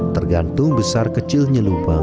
tergantung besar kecilnya lubang